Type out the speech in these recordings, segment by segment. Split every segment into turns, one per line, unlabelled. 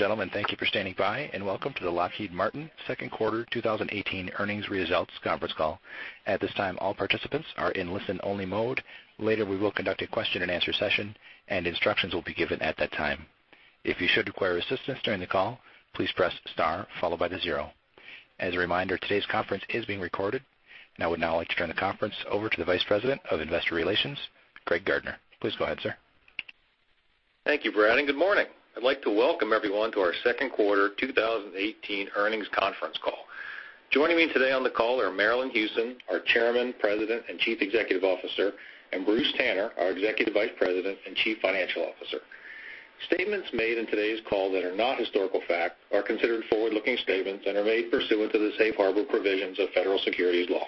Ladies and gentlemen, thank you for standing by, welcome to the Lockheed Martin Second Quarter 2018 Earnings Results Conference Call. At this time, all participants are in listen-only mode. Later, we will conduct a question-and-answer session, instructions will be given at that time. If you should require assistance during the call, please press star followed by zero. As a reminder, today's conference is being recorded. I would now like to turn the conference over to the Vice President of Investor Relations, Greg Gardner. Please go ahead, sir.
Thank you, Brad, good morning. I'd like to welcome everyone to our second quarter 2018 earnings conference call. Joining me today on the call are Marillyn Hewson, our Chairman, President, and Chief Executive Officer, Bruce Tanner, our Executive Vice President and Chief Financial Officer. Statements made in today's call that are not historical fact are considered forward-looking statements and are made pursuant to the safe harbor provisions of federal securities law.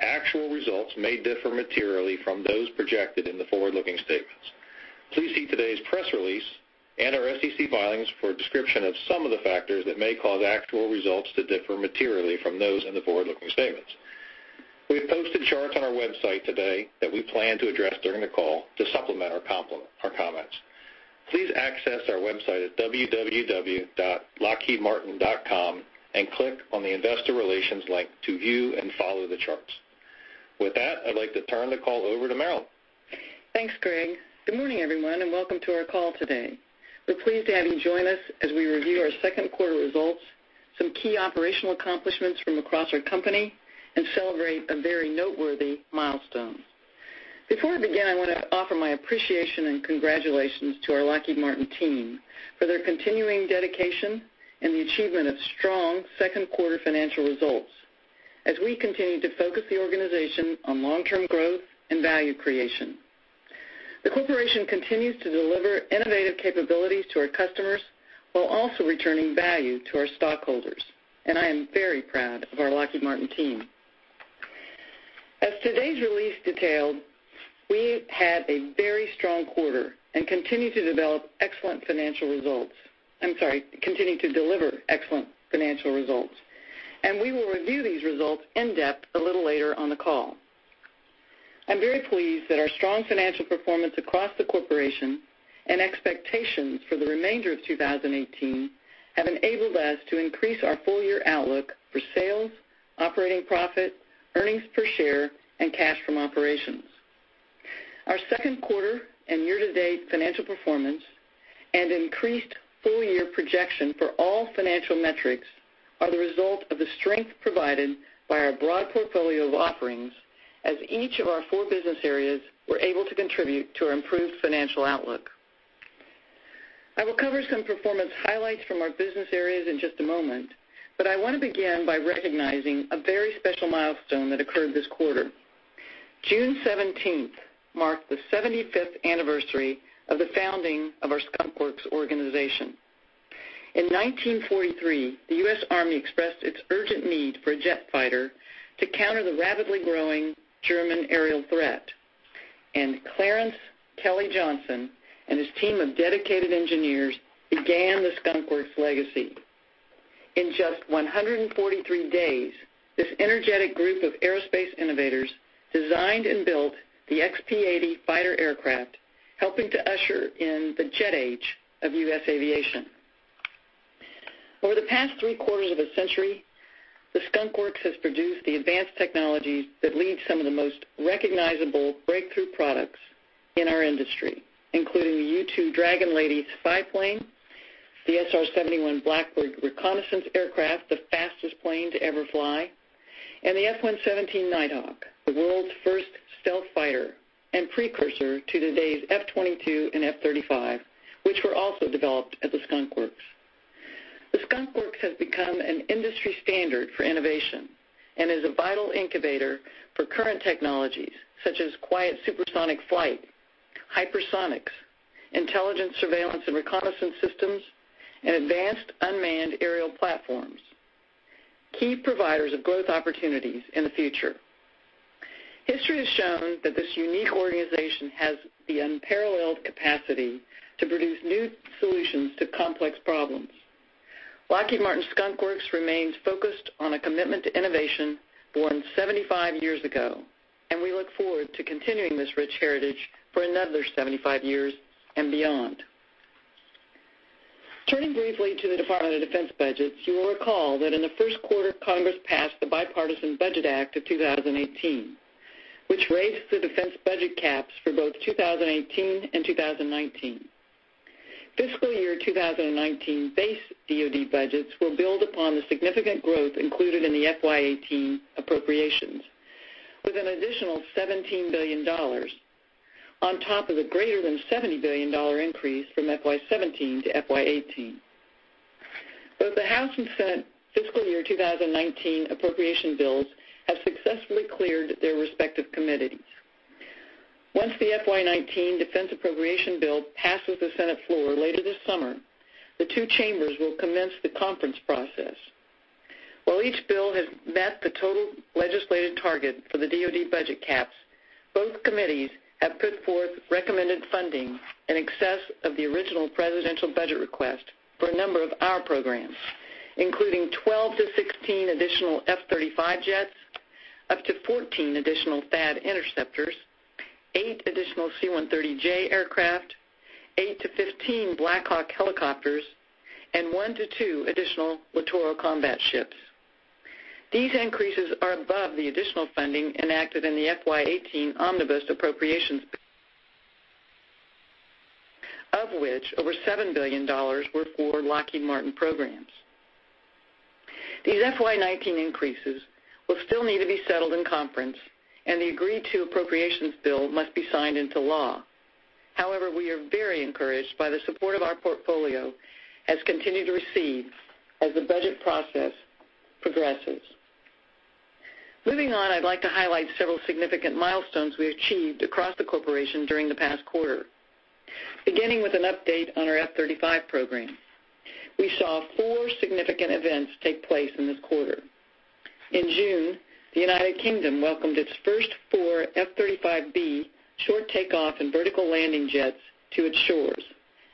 Actual results may differ materially from those projected in the forward-looking statements. Please see today's press release and our SEC filings for a description of some of the factors that may cause actual results to differ materially from those in the forward-looking statements. We've posted charts on our website today that we plan to address during the call to supplement or complement our comments. Please access our website at www.lockheedmartin.com, click on the Investor Relations link to view and follow the charts. With that, I'd like to turn the call over to Marillyn.
Thanks, Greg. Good morning, everyone, welcome to our call today. We're pleased to have you join us as we review our second quarter results, some key operational accomplishments from across our company, celebrate a very noteworthy milestone. Before we begin, I want to offer my appreciation and congratulations to our Lockheed Martin team for their continuing dedication and the achievement of strong second quarter financial results as we continue to focus the organization on long-term growth and value creation. The corporation continues to deliver innovative capabilities to our customers while also returning value to our stockholders, I am very proud of our Lockheed Martin team. As today's release detailed, we had a very strong quarter, continue to deliver excellent financial results, we will review these results in depth a little later on the call. I'm very pleased that our strong financial performance across the corporation and expectations for the remainder of 2018 have enabled us to increase our full-year outlook for sales, operating profit, earnings per share, and cash from operations. Our second quarter and year-to-date financial performance and increased full-year projection for all financial metrics are the result of the strength provided by our broad portfolio of offerings as each of our four business areas were able to contribute to our improved financial outlook. I will cover some performance highlights from our business areas in just a moment, but I want to begin by recognizing a very special milestone that occurred this quarter. June 17th marked the 75th anniversary of the founding of our Skunk Works organization. In 1943, the U.S. Army expressed its urgent need for a jet fighter to counter the rapidly growing German aerial threat, Clarence Kelly Johnson and his team of dedicated engineers began the Skunk Works legacy. In just 143 days, this energetic group of aerospace innovators designed and built the XP-80 fighter aircraft, helping to usher in the jet age of U.S. aviation. Over the past three quarters of a century, the Skunk Works has produced the advanced technologies that lead some of the most recognizable breakthrough products in our industry, including the U-2 Dragon Lady spy plane, the SR-71 Blackbird reconnaissance aircraft, the fastest plane to ever fly, and the F-117 Nighthawk, the world's first stealth fighter and precursor to today's F-22 and F-35, which were also developed at the Skunk Works. The Skunk Works has become an industry standard for innovation and is a vital incubator for current technologies such as quiet supersonic flight, hypersonics, intelligence surveillance and reconnaissance systems, and advanced unmanned aerial platforms, key providers of growth opportunities in the future. History has shown that this unique organization has the unparalleled capacity to produce new solutions to complex problems. Lockheed Martin Skunk Works remains focused on a commitment to innovation born 75 years ago, and we look forward to continuing this rich heritage for another 75 years and beyond. Turning briefly to the Department of Defense budgets, you will recall that in the first quarter, Congress passed the Bipartisan Budget Act of 2018, which raised the defense budget caps for both 2018 and 2019. Fiscal year 2019 base DoD budgets will build upon the significant growth included in the FY 2018 appropriations, with an additional $17 billion on top of the greater than $70 billion increase from FY 2017 to FY 2018. Both the House and Senate fiscal year 2019 appropriation bills have successfully cleared their respective committees. Once the FY 2019 defense appropriation bill passes the Senate floor later this summer, the two chambers will commence the conference process. While each bill has met the total legislative target for the DoD budget caps, both committees have put forth recommended funding in excess of the original presidential budget request for a number of our programs, including 12 to 16 additional F-35 jets, up to 14 additional THAAD interceptors, eight additional C-130J aircraft, eight to 15 Black Hawk helicopters, and one to two additional Littoral Combat Ships. These increases are above the additional funding enacted in the FY 2018 omnibus appropriations, of which over $7 billion were for Lockheed Martin programs. These FY 2019 increases will still need to be settled in conference, and the agreed-to appropriations bill must be signed into law. However, we are very encouraged by the support of our portfolio, as continue to receive as the budget process progresses. Moving on, I'd like to highlight several significant milestones we achieved across the corporation during the past quarter. Beginning with an update on our F-35 program. We saw four significant events take place in this quarter. In June, the U.K. welcomed its first four F-35B short takeoff and vertical landing jets to its shores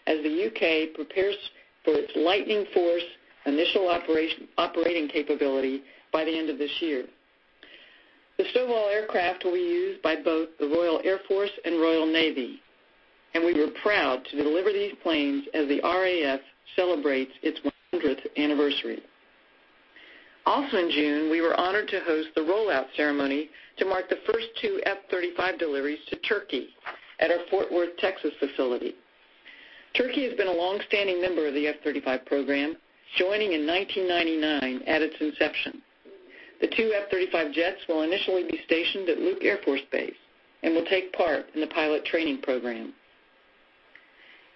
as the U.K. prepares for its Lightning Force initial operating capability by the end of this year. The [inaudible] will be used by both the Royal Air Force and Royal Navy, and we were proud to deliver these planes as the RAF celebrates its 100th anniversary. Also in June, we were honored to host the rollout ceremony to mark the first two F-35 deliveries to Turkey at our Fort Worth, Texas, facility. Turkey has been a longstanding member of the F-35 program, joining in 1999 at its inception. The two F-35 jets will initially be stationed at Luke Air Force Base and will take part in the pilot training program.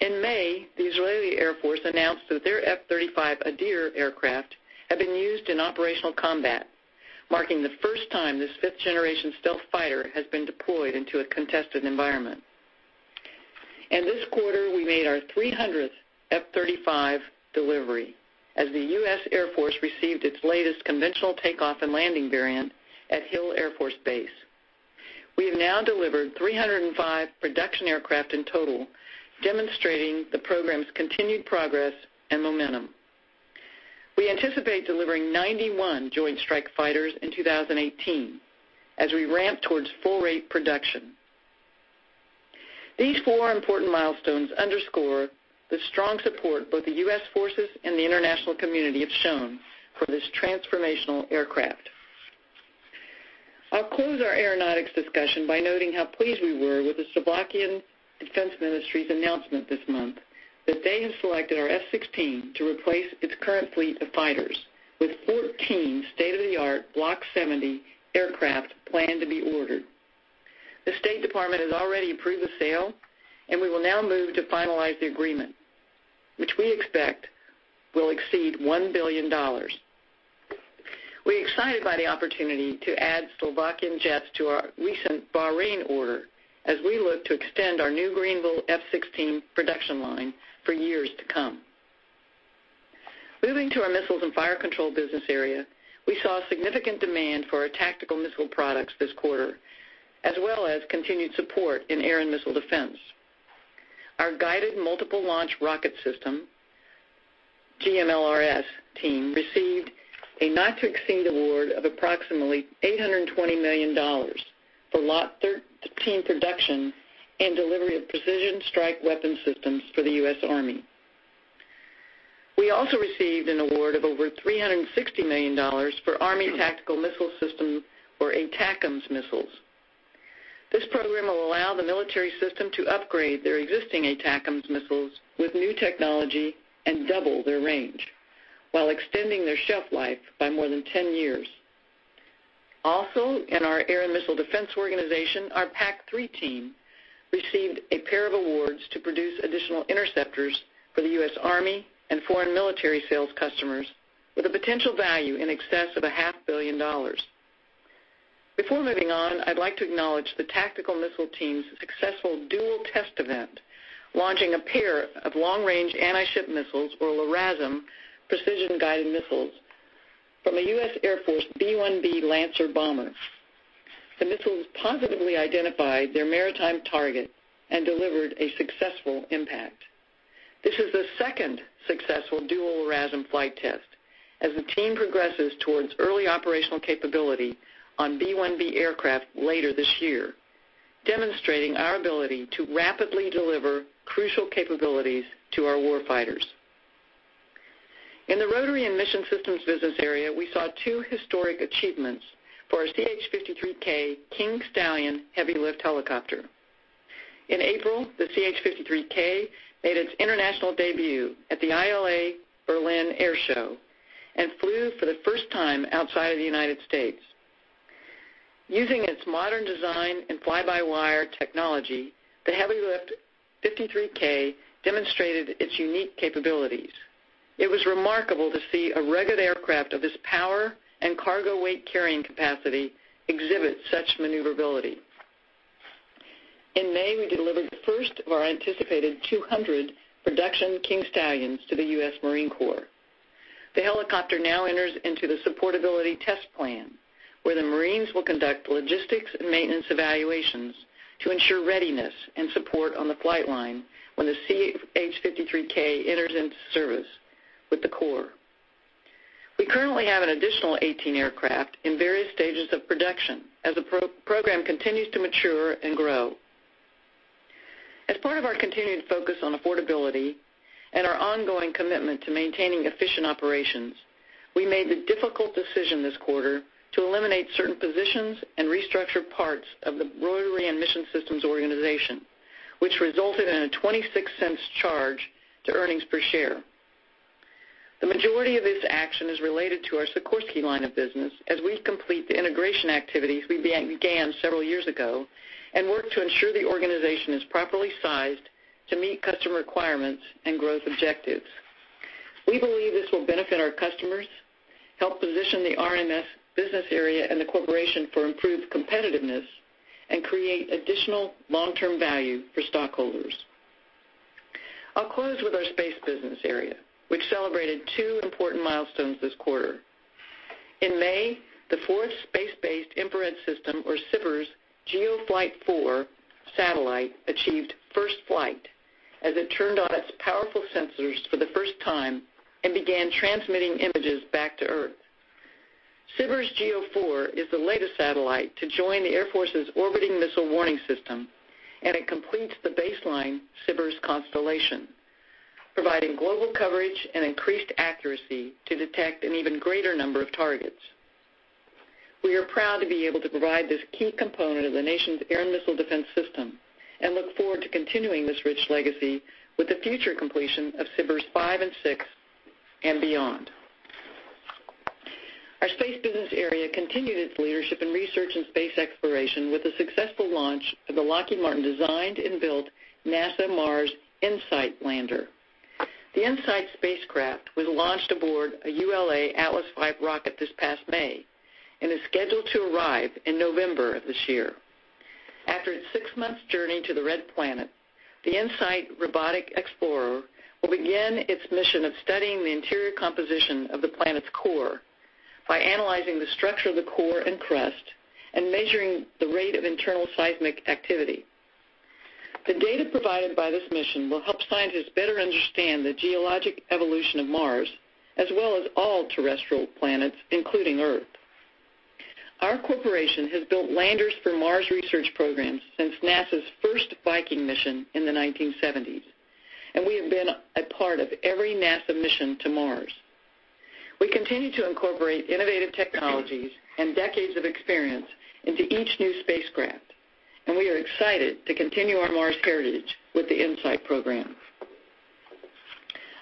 In May, the Israeli Air Force announced that their F-35I Adir aircraft have been used in operational combat, marking the first time this fifth-generation stealth fighter has been deployed into a contested environment. In this quarter, we made our 300th F-35 delivery as the U.S. Air Force received its latest conventional takeoff and landing variant at Hill Air Force Base. We have now delivered 305 production aircraft in total, demonstrating the program's continued progress and momentum. We anticipate delivering 91 joint strike fighters in 2018 as we ramp towards full rate production. These four important milestones underscore the strong support both the U.S. forces and the international community have shown for this transformational aircraft. I'll close our aeronautics discussion by noting how pleased we were with the Slovakian Defense Ministry's announcement this month that they have selected our F-16 to replace its current fleet of fighters with 14 state-of-the-art Block 70 aircraft planned to be ordered. The State Department has already approved the sale, and we will now move to finalize the agreement, which we expect will exceed $1 billion. We're excited by the opportunity to add Slovakian jets to our recent Bahrain order as we look to extend our new Greenville F-16 production line for years to come. Moving to our Missiles and Fire Control business area, we saw significant demand for our tactical missile products this quarter, as well as continued support in air and missile defense. Our Guided Multiple Launch Rocket System, GMLRS team, received a not-to-exceed award of approximately $820 million for lot 13 production and delivery of precision strike weapon systems for the U.S. Army. We also received an award of over $360 million for Army Tactical Missile System or ATACMS missiles. This program will allow the military system to upgrade their existing ATACMS missiles with new technology and double their range while extending their shelf life by more than 10 years. Also, in our air and missile defense organization, our PAC-3 team received a pair of awards to produce additional interceptors for the U.S. Army and Foreign Military Sales customers with a potential value in excess of a half billion dollars. Before moving on, I'd like to acknowledge the tactical missile team's successful dual test event, launching a pair of Long-Range Anti-Ship Missiles, or LRASM, precision-guided missiles from a U.S. Air Force B-1B Lancer bomber. The missiles positively identified their maritime target and delivered a successful impact. This is the second successful dual LRASM flight test, as the team progresses towards early operational capability on B-1B aircraft later this year, demonstrating our ability to rapidly deliver crucial capabilities to our warfighters. In the Rotary and Mission Systems business area, we saw two historic achievements for our CH-53K King Stallion heavy-lift helicopter. In April, the CH-53K made its international debut at the ILA Berlin Air Show and flew for the first time outside of the United States. Using its modern design and fly-by-wire technology, the Heavy Lift 53K demonstrated its unique capabilities. It was remarkable to see a rugged aircraft of this power and cargo weight carrying capacity exhibit such maneuverability. In May, we delivered the first of our anticipated 200 production King Stallions to the U.S. Marine Corps. The helicopter now enters into the supportability test plan, where the Marines will conduct logistics and maintenance evaluations to ensure readiness and support on the flight line when the CH-53K enters into service with the Corps. We currently have an additional 18 aircraft in various stages of production as the program continues to mature and grow. As part of our continued focus on affordability and our ongoing commitment to maintaining efficient operations, we made the difficult decision this quarter to eliminate certain positions and restructure parts of the Rotary and Mission Systems organization, which resulted in a $0.26 charge to earnings per share. The majority of this action is related to our Sikorsky line of business as we complete the integration activities we began several years ago and work to ensure the organization is properly sized to meet customer requirements and growth objectives. We believe this will benefit our customers, help position the RMS business area and the corporation for improved competitiveness, and create additional long-term value for stockholders. I'll close with our space business area. We celebrated two important milestones this quarter. In May, the fourth Space-Based Infrared System, or SBIRS GEO Flight 4 satellite, achieved first flight as it turned on its powerful sensors for the first time and began transmitting images back to Earth. SBIRS GEO 4 is the latest satellite to join the U.S. Air Force's orbiting missile warning system, and it completes the baseline SBIRS constellation, providing global coverage and increased accuracy to detect an even greater number of targets. We are proud to be able to provide this key component of the nation's air and missile defense system, and look forward to continuing this rich legacy with the future completion of SBIRS 5 and 6 and beyond. Our space business area continued its leadership in research and space exploration with the successful launch of the Lockheed Martin designed and built NASA Mars InSight lander. The InSight spacecraft was launched aboard a ULA Atlas V rocket this past May and is scheduled to arrive in November of this year. After its six-month journey to the Red Planet, the InSight robotic explorer will begin its mission of studying the interior composition of the planet's core by analyzing the structure of the core and crust and measuring the rate of internal seismic activity. The data provided by this mission will help scientists better understand the geologic evolution of Mars, as well as all terrestrial planets, including Earth. Our corporation has built landers for Mars research programs since NASA's first Viking mission in the 1970s, and we have been a part of every NASA mission to Mars. We continue to incorporate innovative technologies and decades of experience into each new spacecraft, and we are excited to continue our Mars heritage with the InSight program.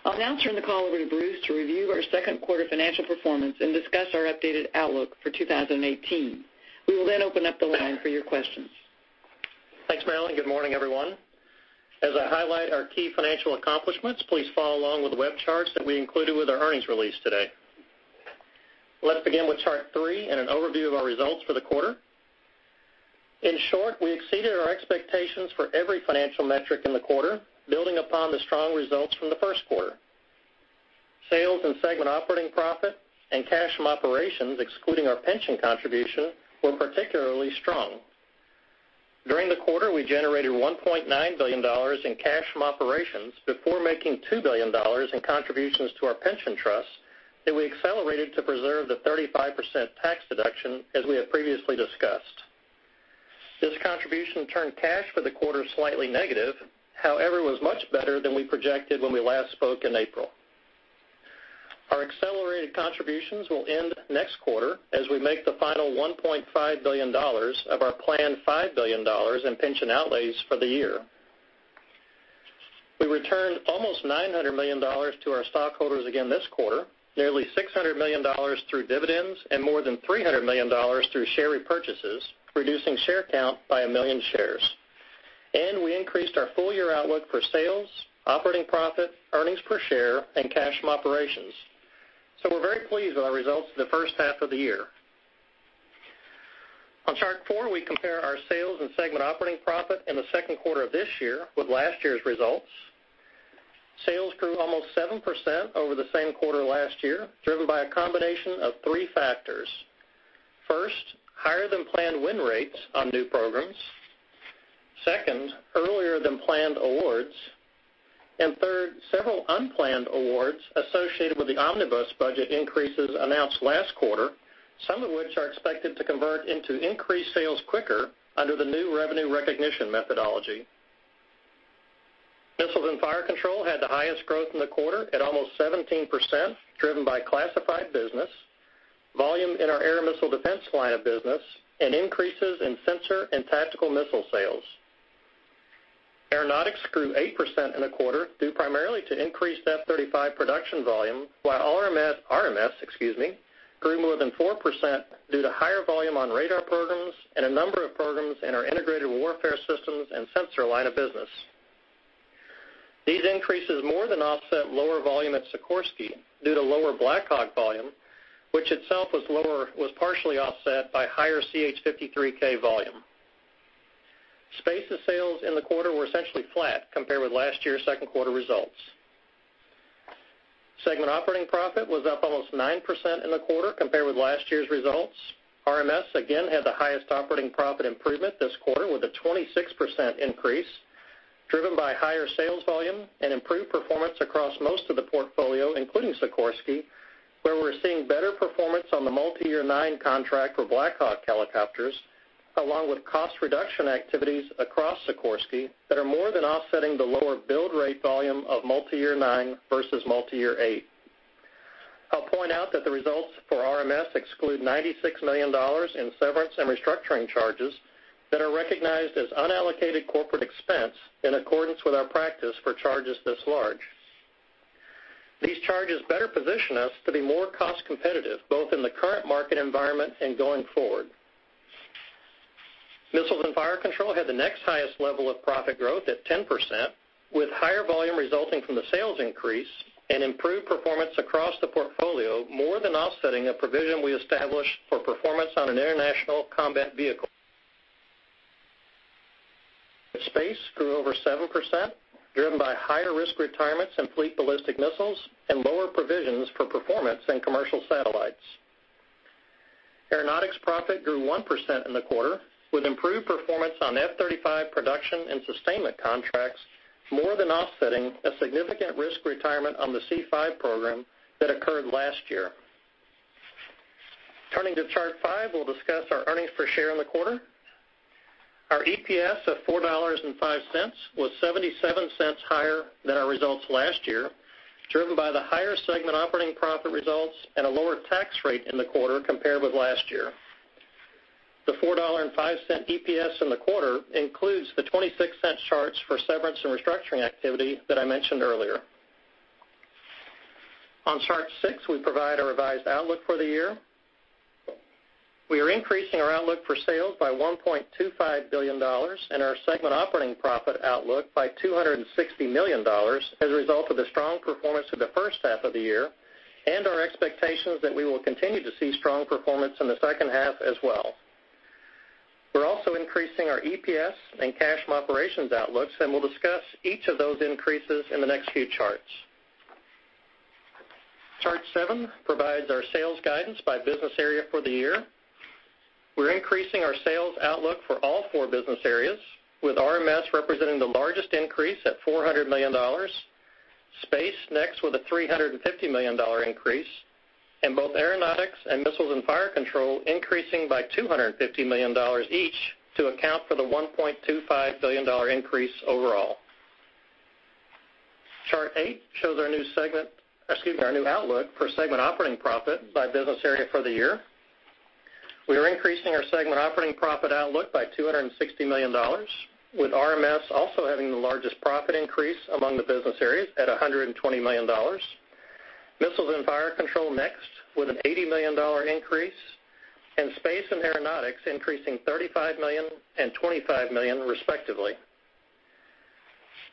I'll now turn the call over to Bruce to review our second quarter financial performance and discuss our updated outlook for 2018. We will open up the line for your questions.
Thanks, Marillyn. Good morning, everyone. As I highlight our key financial accomplishments, please follow along with the web charts that we included with our earnings release today. Let's begin with Chart three and an overview of our results for the quarter. In short, we exceeded our expectations for every financial metric in the quarter, building upon the strong results from the first quarter. Sales and segment operating profit and cash from operations, excluding our pension contribution, were particularly strong. During the quarter, we generated $1.9 billion in cash from operations before making $2 billion in contributions to our pension trust that we accelerated to preserve the 35% tax deduction, as we have previously discussed. This contribution turned cash for the quarter slightly negative. However, it was much better than we projected when we last spoke in April. Our accelerated contributions will end next quarter as we make the final $1.5 billion of our planned $5 billion in pension outlays for the year. We returned almost $900 million to our stockholders again this quarter, nearly $600 million through dividends and more than $300 million through share repurchases, reducing share count by a million shares. We increased our full-year outlook for sales, operating profit, earnings per share, and cash from operations. We're very pleased with our results for the first half of the year. On Chart four, we compare our sales and segment operating profit in the second quarter of this year with last year's results. Sales grew almost 7% over the same quarter last year, driven by a combination of three factors. First, higher than planned win rates on new programs. Second, earlier than planned awards. Third, several unplanned awards associated with the omnibus budget increases announced last quarter, some of which are expected to convert into increased sales quicker under the new revenue recognition methodology. Missiles and Fire Control had the highest growth in the quarter at almost 17%, driven by classified business, volume in our Air and Missile Defense line of business, and increases in sensor and tactical missile sales. Aeronautics grew 8% in the quarter, due primarily to increased F-35 production volume, while RMS grew more than 4% due to higher volume on radar programs and a number of programs in our Integrated Warfare Systems and Sensors line of business. These increases more than offset lower volume at Sikorsky due to lower Black Hawk volume, which itself was partially offset by higher CH-53K volume. Space's sales in the quarter were essentially flat compared with last year's second quarter results. Segment operating profit was up almost 9% in the quarter compared with last year's results. RMS, again, had the highest operating profit improvement this quarter with a 26% increase. Driven by higher sales volume and improved performance across most of the portfolio, including Sikorsky, where we're seeing better performance on the multi-year 9 contract for Black Hawk helicopters, along with cost reduction activities across Sikorsky that are more than offsetting the lower build rate volume of multi-year 9 versus multi-year 8. I'll point out that the results for RMS exclude $96 million in severance and restructuring charges that are recognized as unallocated corporate expense in accordance with our practice for charges this large. These charges better position us to be more cost competitive, both in the current market environment and going forward. Missiles and Fire Control had the next highest level of profit growth at 10%, with higher volume resulting from the sales increase and improved performance across the portfolio more than offsetting a provision we established for performance on an international combat vehicle. Space grew over 7%, driven by higher risk retirements in fleet ballistic missiles and lower provisions for performance in commercial satellites. Aeronautics profit grew 1% in the quarter, with improved performance on F-35 production and sustainment contracts more than offsetting a significant risk retirement on the C-5 program that occurred last year. Turning to chart five, we'll discuss our earnings per share in the quarter. Our EPS of $4.05 was $0.77 higher than our results last year, driven by the higher segment operating profit results and a lower tax rate in the quarter compared with last year. The $4.05 EPS in the quarter includes the $0.26 charge for severance and restructuring activity that I mentioned earlier. On chart six, we provide a revised outlook for the year. We are increasing our outlook for sales by $1.25 billion and our segment operating profit outlook by $260 million as a result of the strong performance of the first half of the year and our expectations that we will continue to see strong performance in the second half as well. We're also increasing our EPS and cash from operations outlooks, and we'll discuss each of those increases in the next few charts. Chart seven provides our sales guidance by business area for the year. We're increasing our sales outlook for all four business areas, with RMS representing the largest increase at $400 million, Space next with a $350 million increase, and both Aeronautics and Missiles and Fire Control increasing by $250 million each to account for the $1.25 billion increase overall. Chart eight shows our new outlook for segment operating profit by business area for the year. We are increasing our segment operating profit outlook by $260 million, with RMS also having the largest profit increase among the business areas at $120 million. Missiles and Fire Control next with an $80 million increase, and Space and Aeronautics increasing $35 million and $25 million respectively.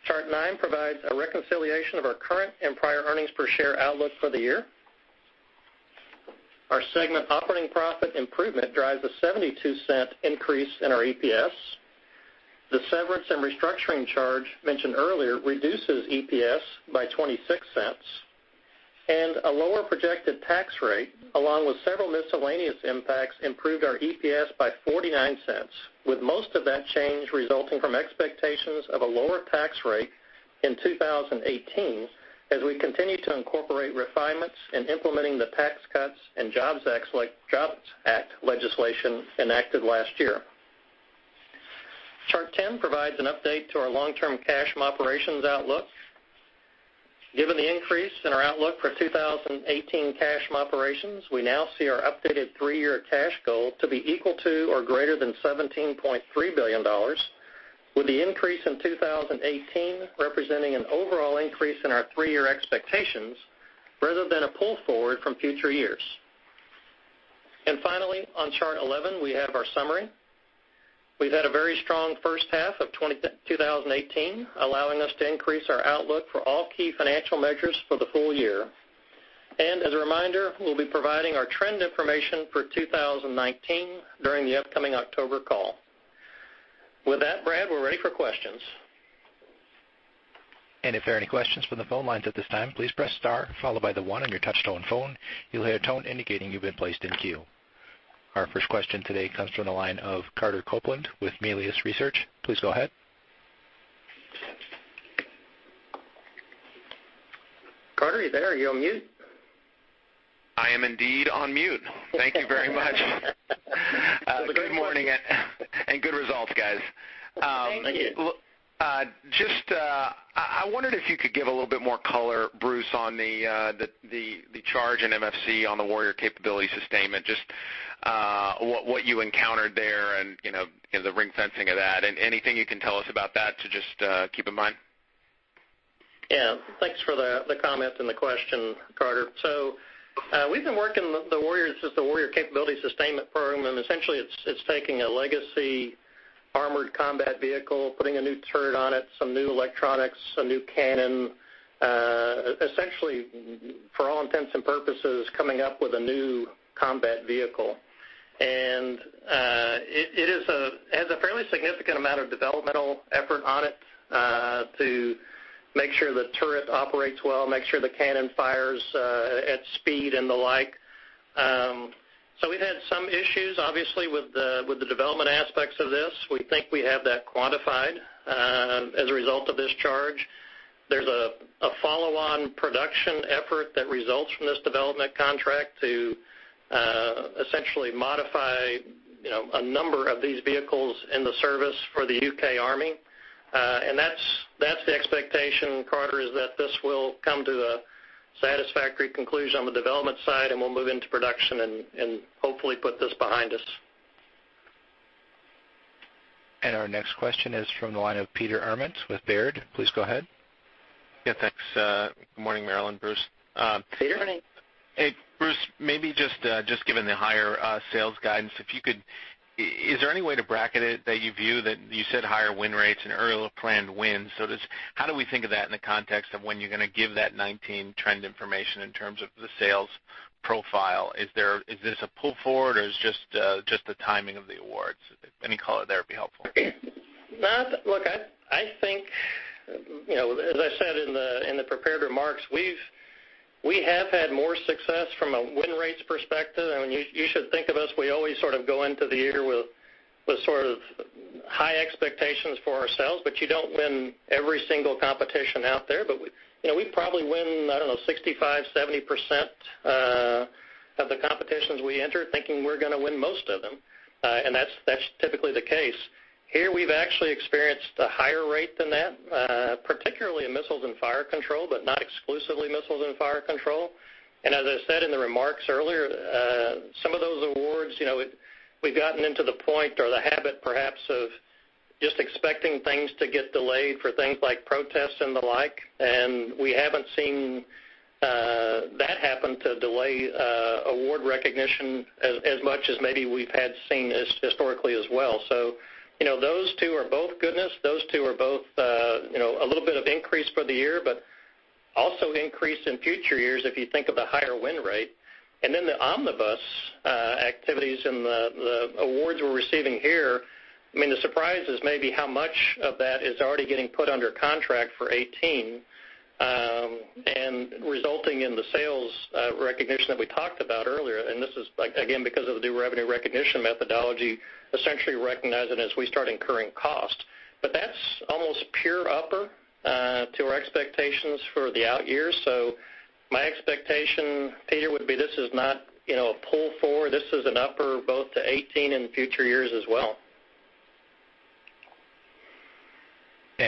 Chart nine provides a reconciliation of our current and prior earnings per share outlook for the year. Our segment operating profit improvement drives a $0.72 increase in our EPS. The severance and restructuring charge mentioned earlier reduces EPS by $0.26. A lower projected tax rate, along with several miscellaneous impacts, improved our EPS by $0.49, with most of that change resulting from expectations of a lower tax rate in 2018 as we continue to incorporate refinements in implementing the Tax Cuts and Jobs Act legislation enacted last year. Chart 10 provides an update to our long-term cash from operations outlook. Given the increase in our outlook for 2018 cash from operations, we now see our updated three-year cash goal to be equal to or greater than $17.3 billion, with the increase in 2018 representing an overall increase in our three-year expectations rather than a pull forward from future years. Finally, on Chart 11, we have our summary. We've had a very strong first half of 2018, allowing us to increase our outlook for all key financial measures for the full year. As a reminder, we'll be providing our trend information for 2019 during the upcoming October call. With that, Brad, we're ready for questions.
If there are any questions from the phone lines at this time, please press star followed by the one on your touchtone phone. You'll hear a tone indicating you've been placed in queue. Our first question today comes from the line of Carter Copeland with Melius Research. Please go ahead.
Carter, are you there? Are you on mute?
I am indeed on mute. Thank you very much. Good morning and good results, guys.
Thank you.
I wondered if you could give a little bit more color, Bruce, on the charge in MFC on the Warrior Capability Sustainment. Just what you encountered there and the ring-fencing of that, and anything you can tell us about that to just keep in mind.
Yeah. Thanks for the comment and the question, Carter. We've been working with the Warrior Capability Sustainment program, and essentially it's taking a legacy armored combat vehicle, putting a new turret on it, some new electronics, a new cannon. Essentially, for all intents and purposes, coming up with a new combat vehicle. It has a fairly significant amount of developmental effort on it to make sure the turret operates well, make sure the cannon fires at speed and the like. We've had some issues, obviously, with the development aspects of this. We think we have that quantified as a result of this charge. There's a follow-on production effort that results from this development contract to essentially modify a number of these vehicles in the service for the UK Army. That's the expectation, Carter, is that this will come to a satisfactory conclusion on the development side, and we'll move into production and hopefully put this behind us.
Our next question is from the line of Peter Arment with Baird. Please go ahead.
Yeah, thanks. Good morning, Marillyn, Bruce.
Peter, good morning.
Hey, Bruce, maybe just given the higher sales guidance, is there any way to bracket it that you view that you said higher win rates and earlier planned wins? How do we think of that in the context of when you're going to give that 2019 trend information in terms of the sales profile? Is this a pull forward or is it just the timing of the awards? Any color there would be helpful.
Look, I think, as I said in the prepared remarks, we have had more success from a win rates perspective. You should think of us, we always sort of go into the year with sort of high expectations for ourselves, you don't win every single competition out there. We probably win, I don't know, 65%-70% of the competitions we enter, thinking we're going to win most of them. That's typically the case. Here, we've actually experienced a higher rate than that, particularly in Missiles and Fire Control, not exclusively Missiles and Fire Control. As I said in the remarks earlier, some of those awards, we've gotten into the point or the habit, perhaps, of just expecting things to get delayed for things like protests and the like. We haven't seen that happen to delay award recognition as much as maybe we've had seen historically as well. Those two are both goodness. Those two are both a little bit of increase for the year, also increase in future years if you think of the higher win rate. Then the omnibus activities and the awards we're receiving here, the surprise is maybe how much of that is already getting put under contract for 2018, resulting in the sales recognition that we talked about earlier. This is, again, because of the new revenue recognition methodology, essentially recognizing as we start incurring costs. That's almost pure upper to our expectations for the out years. My expectation, Peter, would be this is not a pull forward. This is an upper both to 2018 and future years as well.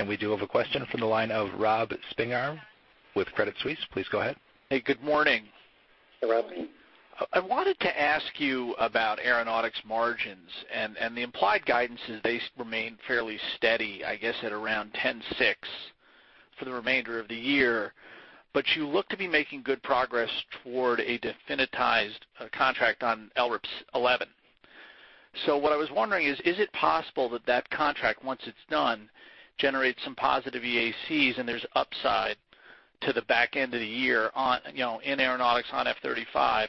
We do have a question from the line of Robert Spingarn with Credit Suisse. Please go ahead.
Hey, good morning.
Hey, Rob.
I wanted to ask you about aeronautics margins, and the implied guidance is they remain fairly steady, I guess, at around 10/6 for the remainder of the year. What I was wondering is it possible that that contract, once it's done, generates some positive EACs and there's upside to the back end of the year in aeronautics on F-35?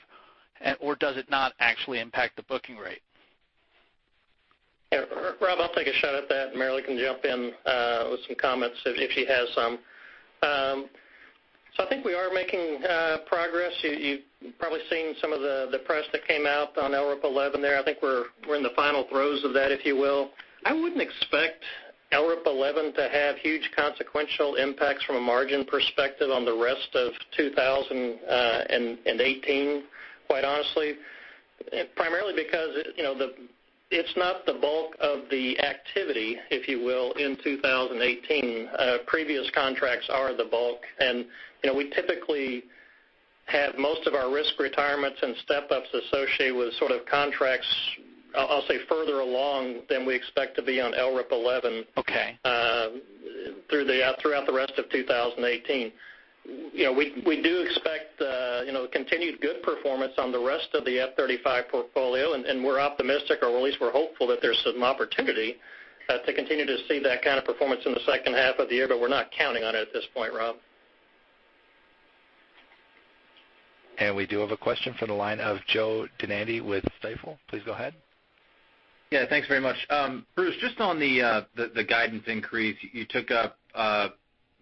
Or does it not actually impact the booking rate?
Yeah, Rob, I'll take a shot at that, and Marillyn can jump in with some comments if she has some. I think we are making progress. You've probably seen some of the press that came out on LRIP 11 there. I think we're in the final throes of that, if you will. I wouldn't expect LRIP 11 to have huge consequential impacts from a margin perspective on the rest of 2018, quite honestly, primarily because it's not the bulk of the activity, if you will, in 2018. Previous contracts are the bulk, and we typically have most of our risk retirements and step-ups associated with sort of contracts, I'll say, further along than we expect to be on LRIP 11-
Okay
throughout the rest of 2018. We do expect continued good performance on the rest of the F-35 portfolio, and we're optimistic or at least we're hopeful that there's some opportunity to continue to see that kind of performance in the second half of the year. But we're not counting on it at this point, Rob.
We do have a question from the line of Joe DeNardi with Stifel. Please go ahead.
Thanks very much. Bruce, just on the guidance increase, you took up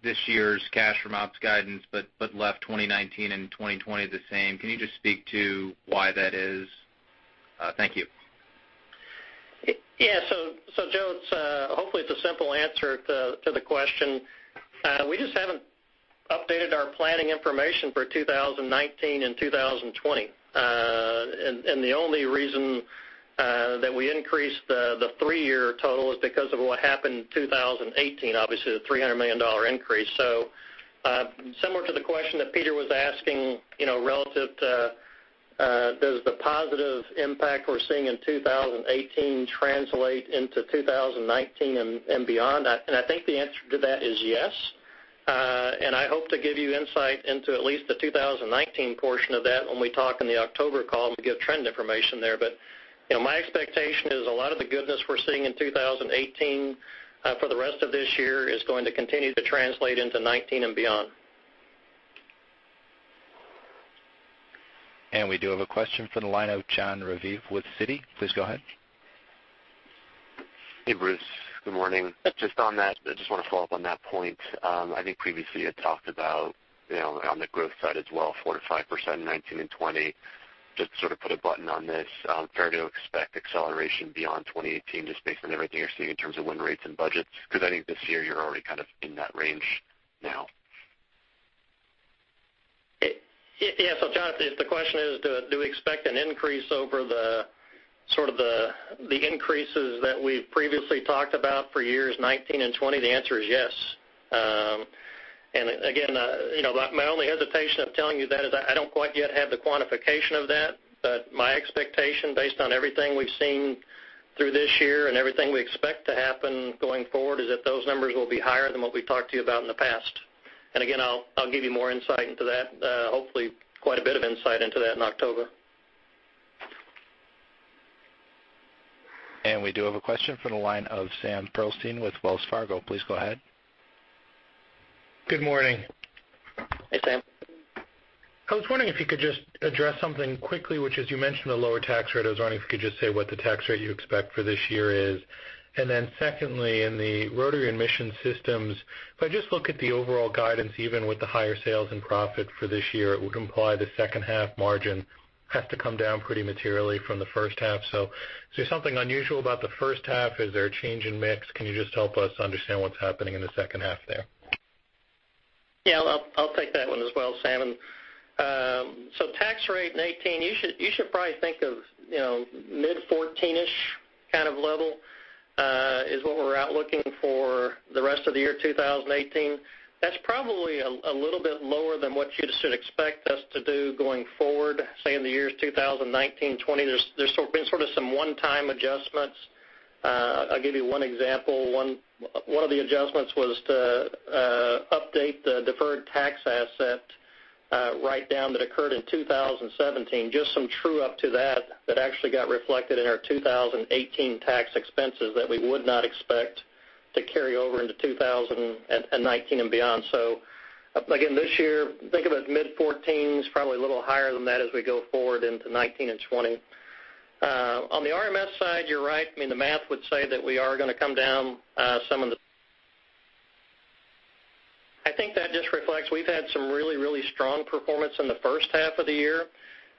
this year's cash from ops guidance, but left 2019 and 2020 the same. Can you just speak to why that is? Thank you.
Joe, hopefully it's a simple answer to the question. We just haven't updated our planning information for 2019 and 2020. The only reason that we increased the three-year total is because of what happened in 2018, obviously, the $300 million increase. Similar to the question that Peter was asking, relative to does the positive impact we're seeing in 2018 translate into 2019 and beyond? I think the answer to that is yes. I hope to give you insight into at least the 2019 portion of that when we talk in the October call and we give trend information there. My expectation is a lot of the goodness we're seeing in 2018 for the rest of this year is going to continue to translate into 2019 and beyond.
We do have a question from the line of Jon Raviv with Citi. Please go ahead.
Hey, Bruce. Good morning. Just on that, I just want to follow up on that point. I think previously you had talked about, on the growth side as well, 4%-5% in 2019 and 2020. Just to sort of put a button on this, fair to expect acceleration beyond 2018, just based on everything you're seeing in terms of win rates and budgets? Because I think this year you're already kind of in that range now.
Jonathan, if the question is do we expect an increase over the increases that we've previously talked about for years 2019 and 2020, the answer is yes. Again, my only hesitation of telling you that is I don't quite yet have the quantification of that. My expectation, based on everything we've seen through this year and everything we expect to happen going forward, is that those numbers will be higher than what we've talked to you about in the past. Again, I'll give you more insight into that, hopefully quite a bit of insight into that, in October.
We do have a question from the line of Sam Pearlstein with Wells Fargo. Please go ahead.
Good morning.
Hey, Sam.
I was wondering if you could just address something quickly, which is you mentioned the lower tax rate. I was wondering if you could just say what the tax rate you expect for this year is. Secondly, in the Rotary and Mission Systems, if I just look at the overall guidance, even with the higher sales and profit for this year, it would imply the second half margin has to come down pretty materially from the first half. Is there something unusual about the first half? Is there a change in mix? Can you just help us understand what's happening in the second half there?
Yeah, I'll take that one as well, Sam. Tax rate in 2018, you should probably think of mid-14-ish kind of level, is what we're out looking for the rest of the year 2018. That's probably a little bit lower than what you should expect us to do going forward, say, in the years 2019, 2020. There's been sort of some one-time adjustments. I'll give you one example. One of the adjustments was to update the deferred tax asset write-down that occurred in 2017, just some true up to that actually got reflected in our 2018 tax expenses that we would not expect to carry over into 2019 and beyond. Again, this year, think of it as mid-14s, probably a little higher than that as we go forward into 2019 and 2020. On the RMS side, you're right. I mean, the math would say that we are going to come down. I think that just reflects we've had some really, really strong performance in the first half of the year.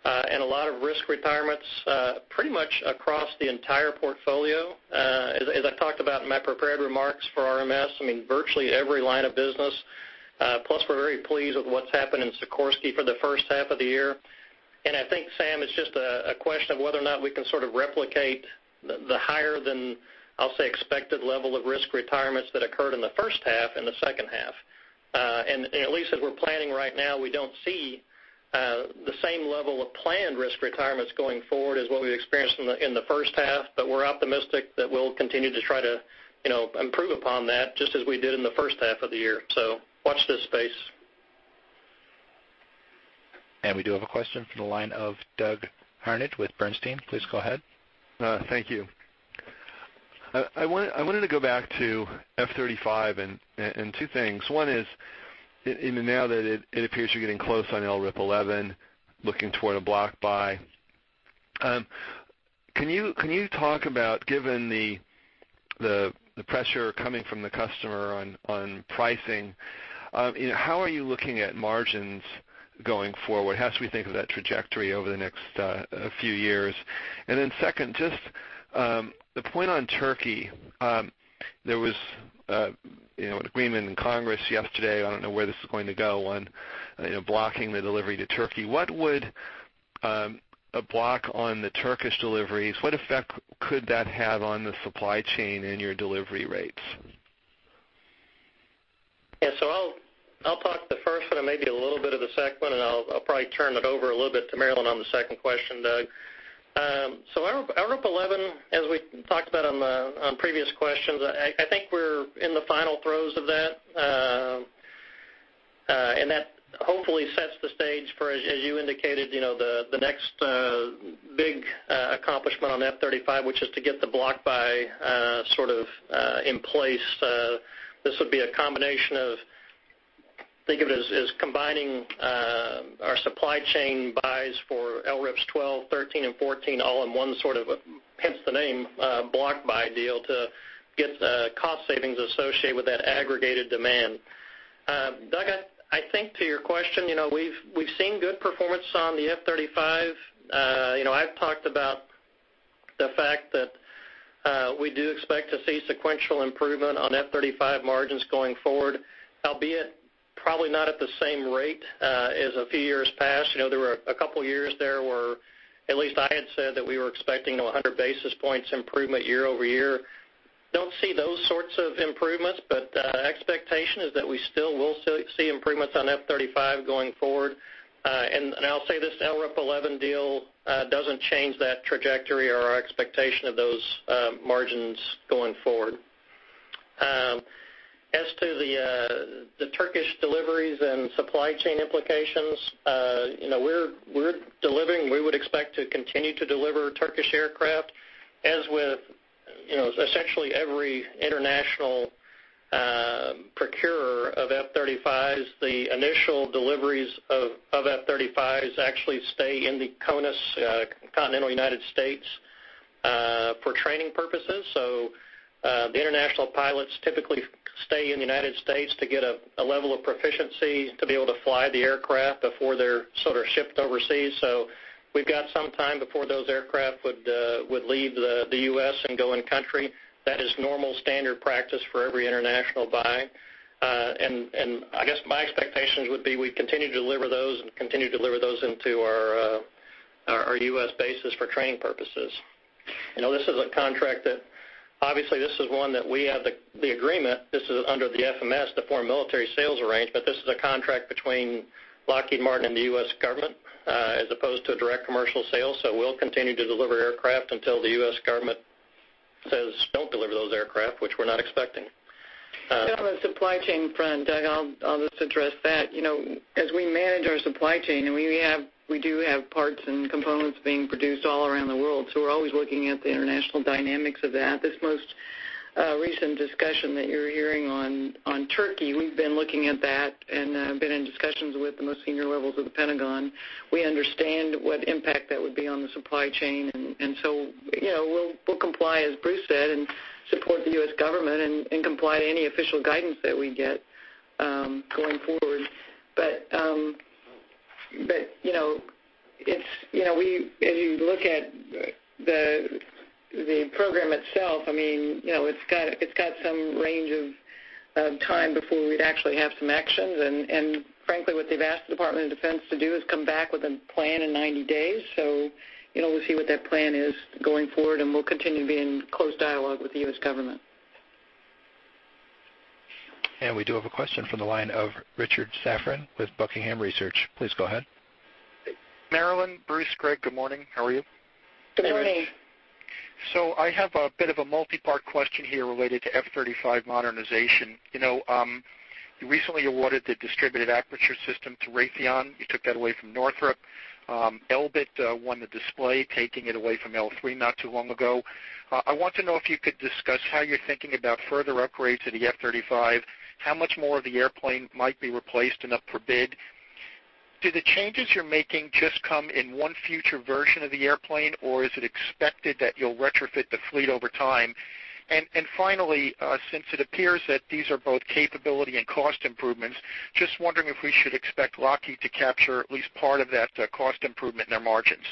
A lot of risk retirements, pretty much across the entire portfolio. As I've talked about in my prepared remarks for RMS, I mean, virtually every line of business. Plus, we're very pleased with what's happened in Sikorsky for the first half of the year. I think, Sam, it's just a question of whether or not we can sort of replicate the higher than, I'll say, expected level of risk retirements that occurred in the first half and the second half. At least as we're planning right now, we don't see the same level of planned risk retirements going forward as what we experienced in the first half. We're optimistic that we'll continue to try to improve upon that, just as we did in the first half of the year. Watch this space.
We do have a question from the line of Douglas Harned with Bernstein. Please go ahead.
Thank you. I wanted to go back to F-35, and two things. One is, now that it appears you're getting close on LRIP 11, looking toward a block buy. Can you talk about, given the pressure coming from the customer on pricing, how are you looking at margins going forward? How should we think of that trajectory over the next few years? Second, just the point on Turkey. There was an agreement in Congress yesterday, I don't know where this is going to go, on blocking the delivery to Turkey. A block on the Turkish deliveries, what effect could that have on the supply chain and your delivery rates?
I'll talk to the first one and maybe a little bit of the second one, and I'll probably turn it over a little bit to Marillyn on the second question, Doug. LRIP 11, as we talked about on previous questions, I think we're in the final throes of that. That hopefully sets the stage for, as you indicated, the next big accomplishment on F-35, which is to get the block buy sort of in place. This would be a combination of, think of it as combining our supply chain buys for LRIPs 12, 13, and 14, all in one sort of, hence the name, block buy deal to get cost savings associated with that aggregated demand. Doug, I think to your question, we've seen good performance on the F-35. I've talked about the fact that we do expect to see sequential improvement on F-35 margins going forward, albeit probably not at the same rate as a few years past. There were a couple of years there where at least I had said that we were expecting 100 basis points improvement year-over-year. Don't see those sorts of improvements, but expectation is that we still will see improvements on F-35 going forward. I'll say this LRIP 11 deal doesn't change that trajectory or our expectation of those margins going forward. As to the Turkish deliveries and supply chain implications, we're delivering. We would expect to continue to deliver Turkish aircraft. As with essentially every international F-35s, the initial deliveries of F-35s actually stay in the CONUS, continental United States, for training purposes. The international pilots typically stay in the United States to get a level of proficiency to be able to fly the aircraft before they're sort of shipped overseas. We've got some time before those aircraft would leave the U.S. and go in country. That is normal standard practice for every international buy. I guess my expectations would be we continue to deliver those and continue to deliver those into our U.S. bases for training purposes. This is a contract that obviously this is one that we have the agreement. This is under the FMS, the Foreign Military Sales arrangement, but this is a contract between Lockheed Martin and the U.S. government, as opposed to a direct commercial sale. We'll continue to deliver aircraft until the U.S. government says, "Don't deliver those aircraft," which we're not expecting.
On the supply chain front, Doug, I'll just address that. As we manage our supply chain, we do have parts and components being produced all around the world, we're always looking at the international dynamics of that. This most recent discussion that you're hearing on Turkey, we've been looking at that and been in discussions with the most senior levels of The Pentagon. We understand what impact that would be on the supply chain, we'll comply, as Bruce said, and support the U.S. government and comply to any official guidance that we get going forward. As you look at the program itself, it's got some range of time before we'd actually have some actions. Frankly, what they've asked the Department of Defense to do is come back with a plan in 90 days. We'll see what that plan is going forward, we'll continue to be in close dialogue with the U.S. government.
We do have a question from the line of Richard Safran with Buckingham Research. Please go ahead.
Marillyn, Bruce, Greg, good morning. How are you?
Good morning.
I have a bit of a multi-part question here related to F-35 modernization. You recently awarded the distributed aperture system to Raytheon. You took that away from Northrop. Elbit won the display, taking it away from L3 not too long ago. I want to know if you could discuss how you're thinking about further upgrades to the F-35, how much more of the airplane might be replaced and up for bid. Do the changes you're making just come in one future version of the airplane, or is it expected that you'll retrofit the fleet over time? Finally, since it appears that these are both capability and cost improvements, just wondering if we should expect Lockheed to capture at least part of that cost improvement in their margins.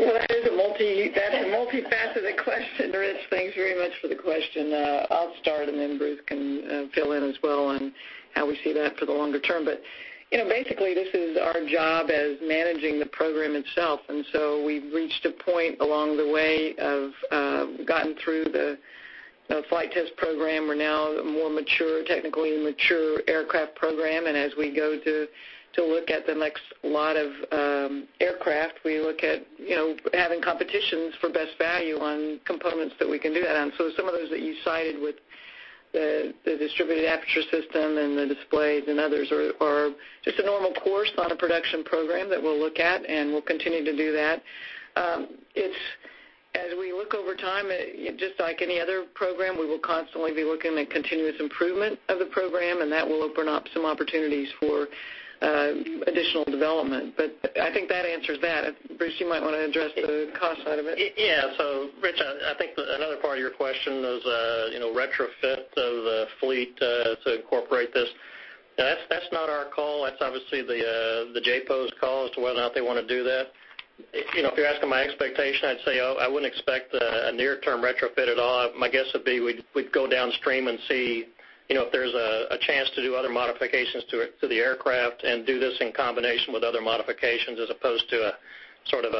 That is a multi-faceted question, Rich. Thanks very much for the question. I'll start and then Bruce can fill in as well on how we see that for the longer term. Basically, this is our job as managing the program itself. We've reached a point along the way of gotten through the flight test program. We're now the more technically mature aircraft program, as we go to look at the next lot of aircraft, we look at having competitions for best value on components that we can do that on. Some of those that you cited with the distributed aperture system and the displays and others are just a normal course on a production program that we'll look at, we'll continue to do that. As we look over time, just like any other program, we will constantly be looking at continuous improvement of the program. That will open up some opportunities for additional development. I think that answers that. Bruce, you might want to address the cost side of it.
Yeah. Rich, I think another part of your question is retrofit of the fleet to incorporate this. That's not our call. That's obviously the JPO's call as to whether or not they want to do that. If you're asking my expectation, I'd say, I wouldn't expect a near-term retrofit at all. My guess would be we'd go downstream and see if there's a chance to do other modifications to the aircraft and do this in combination with other modifications, as opposed to sort of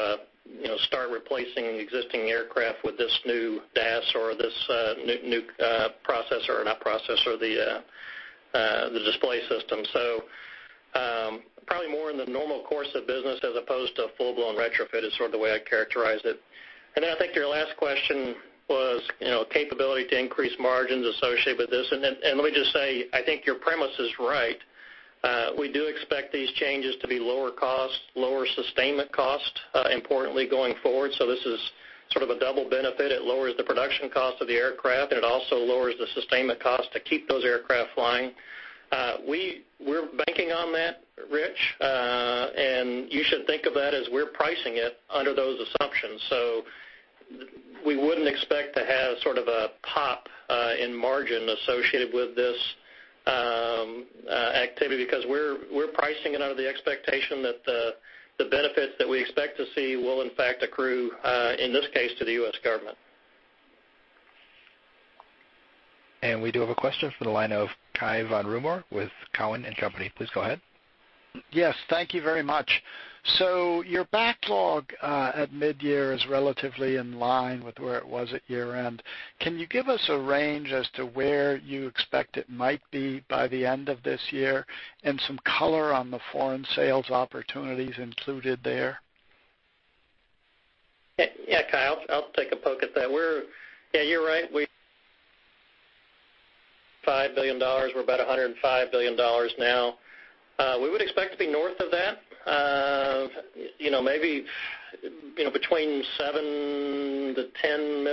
start replacing existing aircraft with this new DAS or this new processor, or not processor, the display system. Probably more in the normal course of business as opposed to a full-blown retrofit is sort of the way I'd characterize it. I think your last question was capability to increase margins associated with this. Let me just say, I think your premise is right. We do expect these changes to be lower cost, lower sustainment cost, importantly going forward. This is sort of a double benefit. It lowers the production cost of the aircraft, and it also lowers the sustainment cost to keep those aircraft flying. We're banking on that, Rich. You should think of that as we're pricing it under those assumptions. We wouldn't expect to have sort of a pop in margin associated with this activity because we're pricing it under the expectation that the benefits that we expect to see will in fact accrue, in this case, to the US government.
We do have a question from the line of Cai von Rumohr with Cowen and Company. Please go ahead.
Yes. Thank you very much. Your backlog at mid-year is relatively in line with where it was at year-end. Can you give us a range as to where you expect it might be by the end of this year and some color on the foreign sales opportunities included there?
Yeah, Cai, I'll take a poke at that. Yeah, you're right. [inaudible] we're about $105 billion now. We would expect to be north of that. Maybe between $7 billion-$10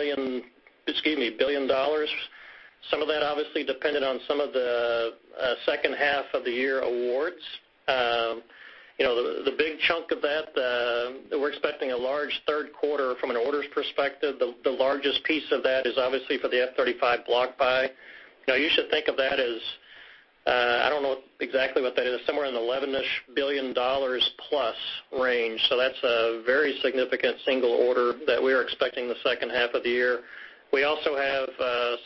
billion. Some of that obviously dependent on some of the second half of the year awards. The big chunk of that, we're expecting a large third quarter from an orders perspective. The largest piece of that is obviously for the F-35 block buy. You should think of that as, I don't know exactly what that is, somewhere in the $11 billion plus range. That's a very significant single order that we are expecting the second half of the year. We also have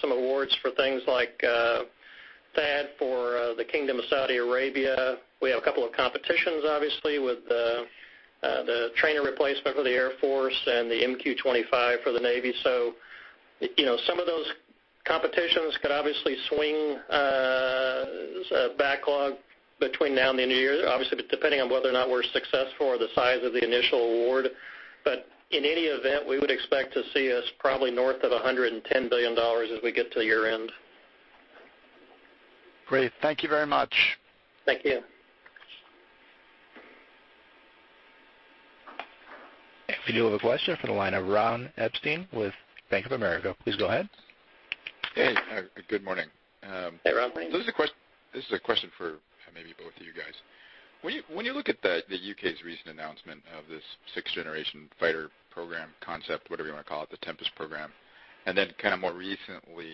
some awards for things like THAAD for the Kingdom of Saudi Arabia. We have a couple of competitions, obviously, with the trainer replacement for the U.S. Air Force and the MQ-25 for the U.S. Navy. Some of those competitions could obviously swing backlog between now and the end of the year, obviously, depending on whether or not we're successful or the size of the initial award. In any event, we would expect to see us probably north of $110 billion as we get to year-end.
Great. Thank you very much.
Thank you.
We do have a question from the line of Ronald Epstein with Bank of America. Please go ahead.
Hey. Good morning.
Hey, Ron.
This is a question for maybe both of you guys. When you look at the U.K.'s recent announcement of this sixth-generation fighter program concept, whatever you want to call it, the Tempest program, and then kind of more recently,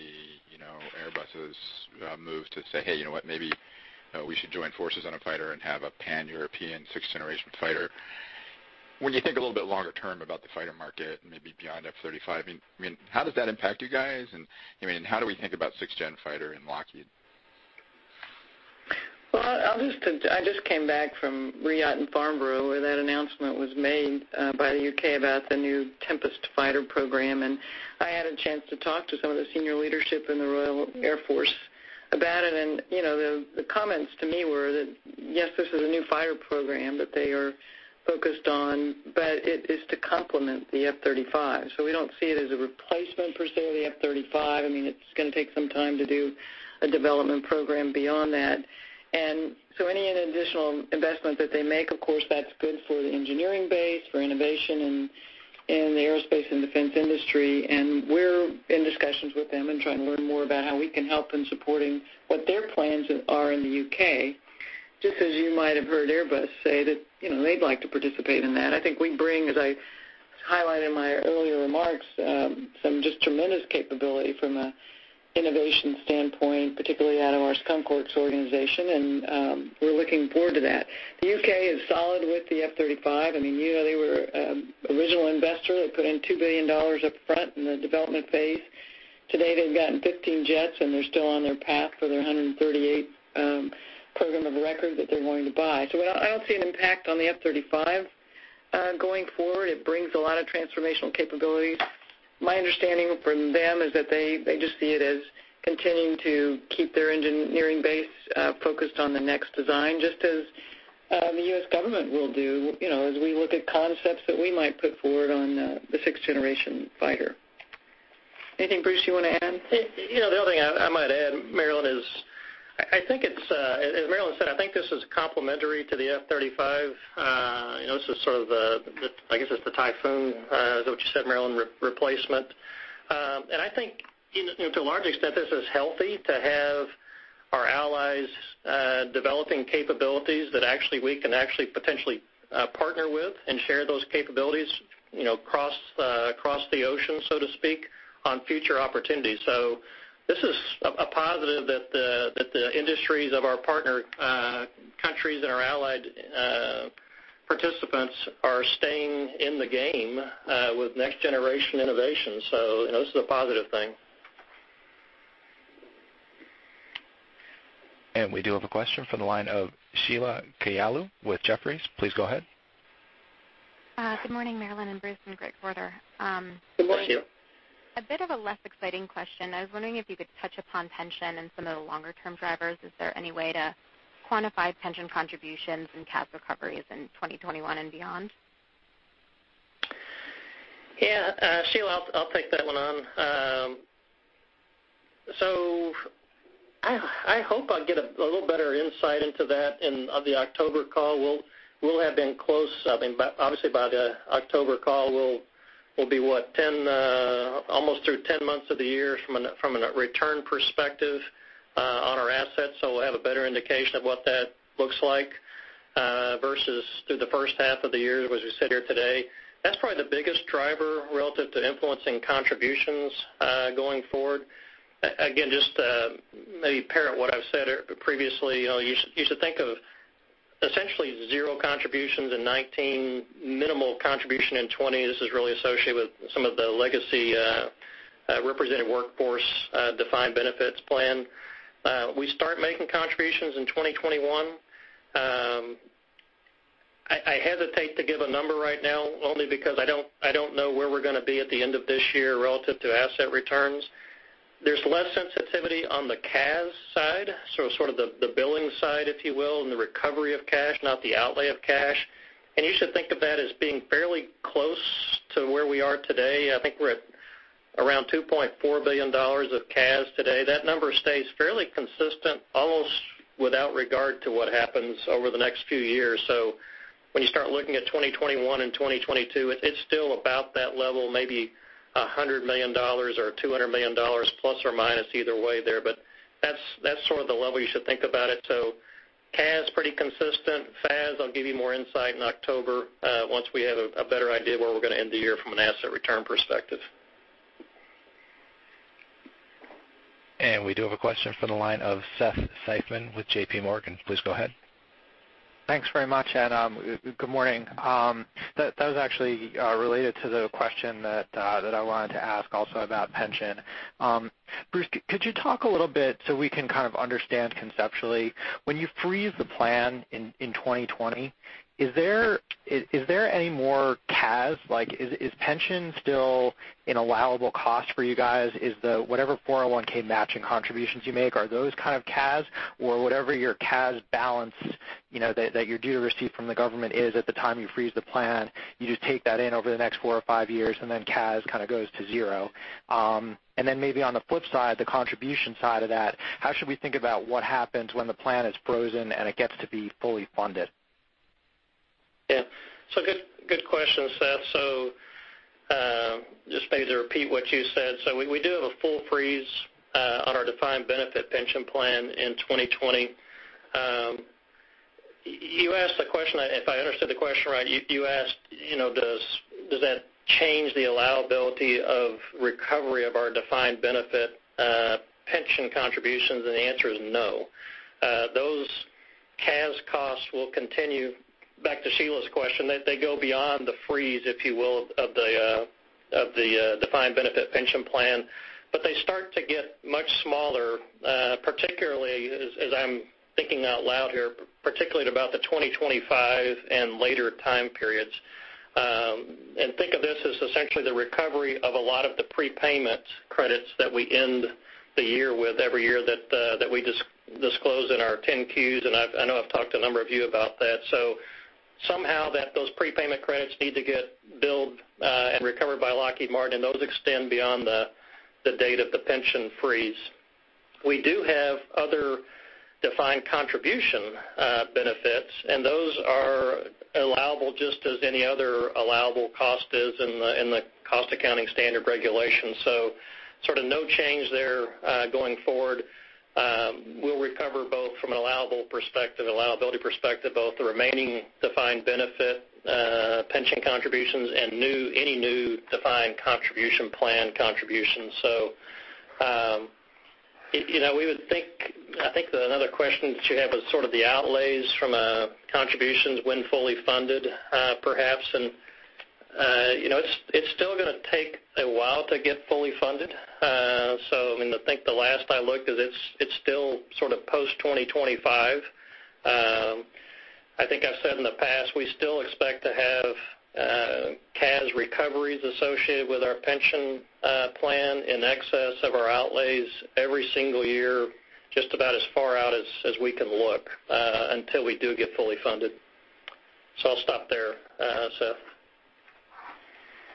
Airbus' move to say, "Hey, you know what, maybe we should join forces on a fighter and have a Pan-European sixth-generation fighter." When you think a little bit longer term about the fighter market, maybe beyond F-35, how does that impact you guys, and how do we think about sixth gen fighter and Lockheed?
Well, I just came back from RIAT in Farnborough, where that announcement was made by the U.K. about the new Tempest fighter program, I had a chance to talk to some of the senior leadership in the Royal Air Force about it. The comments to me were that, yes, this is a new fighter program that they are focused on, but it is to complement the F-35. We don't see it as a replacement per se of the F-35. It's going to take some time to do a development program beyond that. Any additional investment that they make, of course, that's good for the engineering base, for innovation in the aerospace and defense industry. We're in discussions with them and trying to learn more about how we can help in supporting what their plans are in the U.K. Just as you might have heard Airbus say that they'd like to participate in that. I think we bring, as I highlighted in my earlier remarks, some just tremendous capability from an innovation standpoint, particularly out of our Skunk Works organization, and we're looking forward to that. The U.K. is solid with the F-35. They were an original investor. They put in $2 billion up front in the development phase. Today, they've gotten 15 jets, and they're still on their path for their 138 program of record that they're going to buy. I don't see an impact on the F-35 going forward. It brings a lot of transformational capability. My understanding from them is that they just see it as continuing to keep their engineering base focused on the next design, just as the U.S. government will do as we look at concepts that we might put forward on the sixth-generation fighter. Anything, Bruce, you want to add?
The only thing I might add, Marillyn, is as Marillyn said, I think this is complementary to the F-35. This is sort of the, I guess it's the Typhoon, is that what you said, Marillyn, replacement. I think to a large extent, this is healthy to have our allies developing capabilities that we can actually potentially partner with and share those capabilities across the ocean, so to speak, on future opportunities. This is a positive that the industries of our partner countries and our allied participants are staying in the game with next-generation innovation. This is a positive thing.
We do have a question from the line of Sheila Kahyaoglu with Jefferies. Please go ahead.
Good morning, Marillyn and Bruce, and Greg, further.
Good morning, Sheila.
A bit of a less exciting question. I was wondering if you could touch upon pension and some of the longer-term drivers. Is there any way to quantify pension contributions and CAS recoveries in 2021 and beyond?
Yeah, Sheila, I'll take that one on. I hope I'll get a little better insight into that of the October call. We'll have been close, obviously, by the October call, we'll be what? Almost through 10 months of the year from a return perspective on our assets, so we'll have a better indication of what that looks like versus through the first half of the year, as we sit here today. That's probably the biggest driver relative to influencing contributions going forward. Again, just to maybe parrot what I've said previously, you should think of essentially zero contributions in 2019, minimal contribution in 2020. This is really associated with some of the legacy represented workforce defined benefits plan. We start making contributions in 2021. I hesitate to give a number right now, only because I don't know where we're going to be at the end of this year relative to asset returns. There's less sensitivity on the CAS side, so sort of the billing side, if you will, and the recovery of cash, not the outlay of cash. You should think of that as being fairly close to where we are today. I think we're at around $2.4 billion of CAS today. That number stays fairly consistent, almost without regard to what happens over the next few years. When you start looking at 2021 and 2022, it's still about that level, maybe $100 million or $200 million plus or minus either way there, but that's sort of the level you should think about it. CAS, pretty consistent. FAS, I'll give you more insight in October, once we have a better idea of where we're going to end the year from an asset return perspective.
We do have a question from the line of Seth Seifman with J.P. Morgan. Please go ahead.
Thanks very much, and good morning. That was actually related to the question that I wanted to ask also about pension. Bruce, could you talk a little bit, so we can kind of understand conceptually, when you freeze the plan in 2020, is there any more CAS? Is pension still an allowable cost for you guys? Is the whatever 401 matching contributions you make, are those kind of CAS or whatever your CAS balance that you're due to receive from the government is at the time you freeze the plan, you just take that in over the next four or five years, and then CAS kind of goes to zero? Maybe on the flip side, the contribution side of that, how should we think about what happens when the plan is frozen, and it gets to be fully funded?
Yeah. Good question, Seth. Just maybe to repeat what you said. We do have a full freeze on our defined benefit pension plan in 2020. You asked the question, if I understood the question right, you asked, does that change the allowability of recovery of our defined benefit pension contributions? The answer is no. Those CAS costs will continue. Back to Sheila's question, they go beyond the freeze, if you will, of the defined benefit pension plan, but they start to get much smaller, particularly as I'm thinking out loud here, particularly at about the 2025 and later time periods. Think of this as essentially the recovery of a lot of the prepayment credits that we end the year with every year that we disclose in our 10-Qs, and I know I've talked to a number of you about that. Somehow those prepayment credits need to get billed and recovered by Lockheed Martin, and those extend beyond the date of the pension freeze. We do have other defined contribution benefits, and those are allowable just as any other allowable cost is in the cost accounting standard regulations. Sort of no change there going forward. We'll recover both from an allowability perspective, both the remaining defined benefit pension contributions and any new defined contribution plan contributions. I think that another question that you have is sort of the outlays from contributions when fully funded, perhaps. It's still going to take a while to get fully funded. I think the last I looked, it's still sort of post 2025. I think I've said in the past, we still expect to have CAS recoveries associated with our pension plan in excess of our outlays every single year, just about as far out as we can look, until we do get fully funded. I'll stop there, Seth.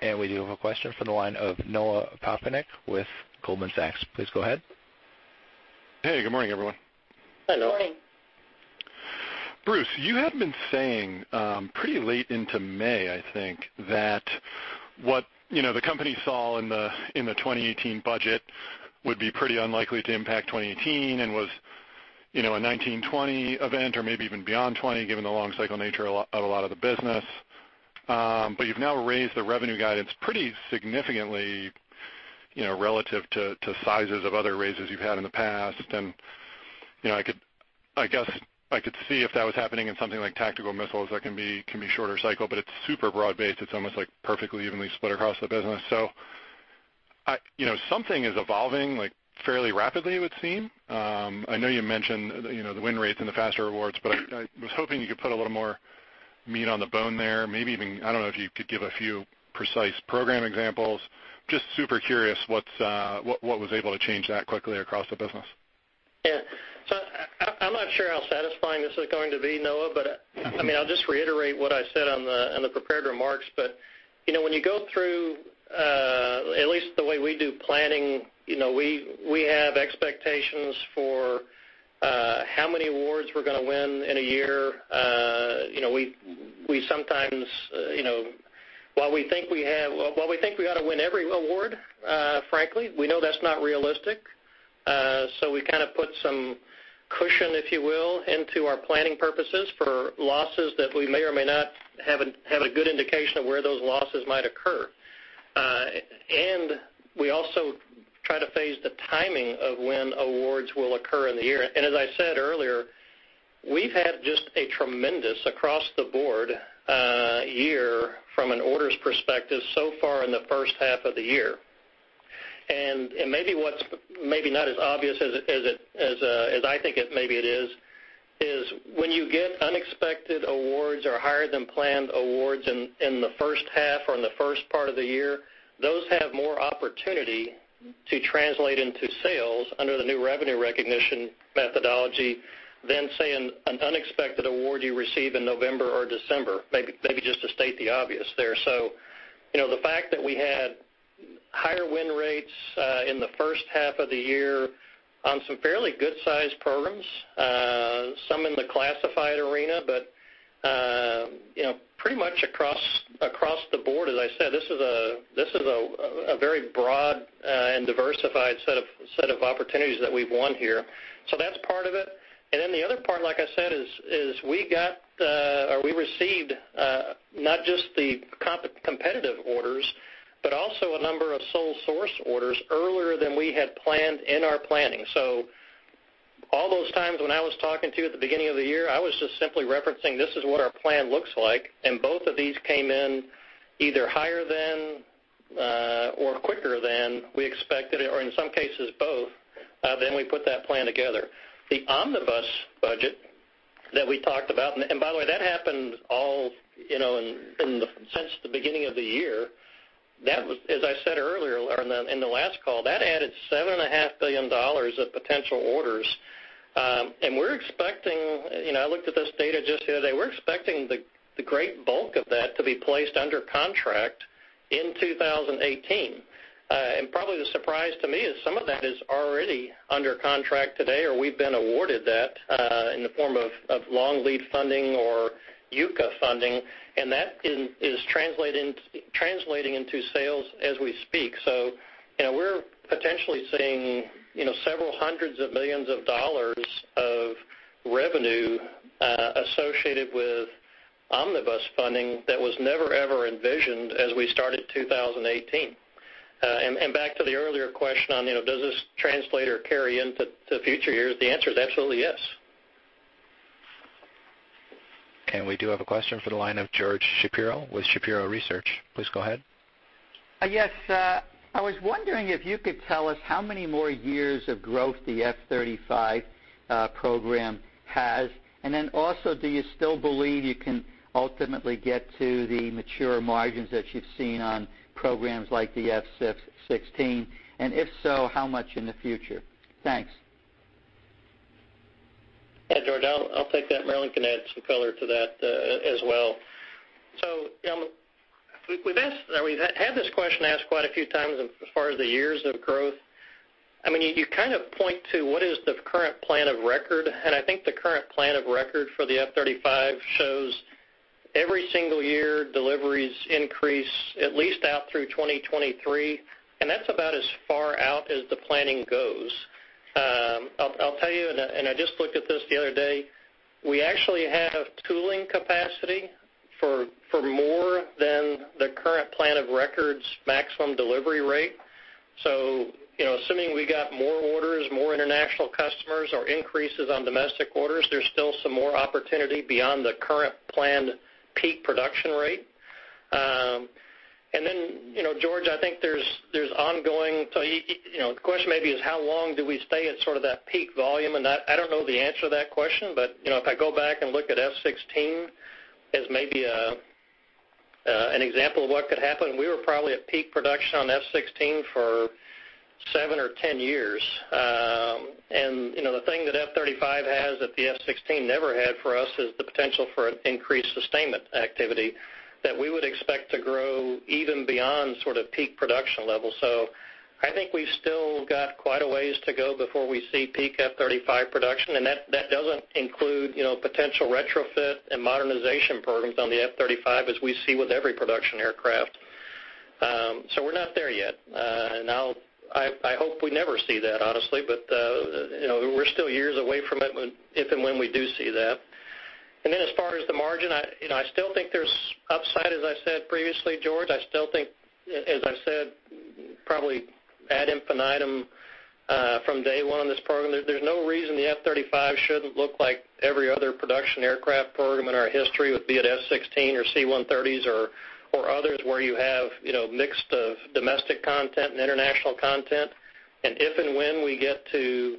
We do have a question from the line of Noah Poponak with Goldman Sachs. Please go ahead.
Hey, good morning, everyone.
Hello. Good morning.
Bruce, you had been saying, pretty late into May, I think, that what the company saw in the 2018 budget would be pretty unlikely to impact 2018 and was a 2019, 2020 event or maybe even beyond 2020, given the long cycle nature of a lot of the business. You've now raised the revenue guidance pretty significantly, relative to sizes of other raises you've had in the past. I guess I could see if that was happening in something like tactical missiles that can be shorter cycle, but it's super broad-based. It's almost perfectly evenly split across the business. Something is evolving fairly rapidly, it would seem. I know you mentioned the win rates and the faster awards, but I was hoping you could put a little more meat on the bone there. Maybe even, I don't know if you could give a few precise program examples. Just super curious what was able to change that quickly across the business?
I'm not sure how satisfying this is going to be, Noah, I'll just reiterate what I said on the prepared remarks. When you go through, at least the way we do planning, we have expectations for how many awards we're going to win in a year. We sometimes while we think we ought to win every award, frankly, we know that's not realistic. We kind of put some cushion, if you will, into our planning purposes for losses that we may or may not have a good indication of where those losses might occur. We also try to phase the timing of when awards will occur in the year. As I said earlier, we've had just a tremendous across the board year from an orders perspective so far in the first half of the year. Maybe what's maybe not as obvious as I think maybe it is when you get unexpected awards or higher than planned awards in the first half or in the first part of the year, those have more opportunity to translate into sales under the new revenue recognition methodology than, say, an unexpected award you receive in November or December, maybe just to state the obvious there. The fact that we had higher win rates in the first half of the year on some fairly good-sized programs, some in the classified arena, but pretty much across the board, as I said, this is a very broad and diversified set of opportunities that we've won here. That's part of it. The other part, like I said, is we received not just the competitive orders, but also a number of sole source orders earlier than we had planned in our planning. All those times when I was talking to you at the beginning of the year, I was just simply referencing this is what our plan looks like, and both of these came in either higher than or quicker than we expected, or in some cases, both, than we put that plan together. The omnibus budget that we talked about, and by the way, that happened since the beginning of the year. That was, as I said earlier in the last call, that added $7.5 billion of potential orders, and we're expecting, I looked at this data just the other day, we're expecting the great bulk of that to be placed under contract in 2018. Probably the surprise to me is some of that is already under contract today, or we've been awarded that, in the form of long lead funding or UCA funding, and that is translating into sales as we speak. We're potentially seeing several hundreds of millions of dollars of revenue associated with omnibus funding that was never, ever envisioned as we started 2018. Back to the earlier question on, does this translate or carry into future years? The answer is absolutely yes.
We do have a question for the line of George Shapiro with Shapiro Research. Please go ahead.
Yes. I was wondering if you could tell us how many more years of growth the F-35 program has. Also, do you still believe you can ultimately get to the mature margins that you've seen on programs like the F-16? If so, how much in the future? Thanks.
George, I'll take that. Marillyn can add some color to that as well. We've had this question asked quite a few times as far as the years of growth. You kind of point to what is the current plan of record, and I think the current plan of record for the F-35 shows every single year deliveries increase at least out through 2023, and that's about as far out as the planning goes. I'll tell you, and I just looked at this the other day, we actually have tooling capacity for more than the current plan of record's maximum delivery rate. Assuming we got more orders, more international customers or increases on domestic orders, there's still some more opportunity beyond the current planned peak production rate. George, I think there's ongoing. The question maybe is how long do we stay at sort of that peak volume? I don't know the answer to that question, but if I go back and look at F-16 as maybe an example of what could happen, we were probably at peak production on F-16 for seven or 10 years. The thing that F-35 has that the F-16 never had for us is the potential for an increased sustainment activity that we would expect to grow even beyond sort of peak production level. I think we've still got quite a ways to go before we see peak F-35 production, and that doesn't include potential retrofit and modernization programs on the F-35 as we see with every production aircraft. We're not there yet. I hope we never see that, honestly, but we're still years away from it, if and when we do see that. As far as the margin, I still think there's upside, as I said previously, George. I still think, as I've said probably ad infinitum from day one on this program, there's no reason the F-35 shouldn't look like every other production aircraft program in our history with be it F-16 or C-130s or others where you have mixed of domestic content and international content. If and when we get to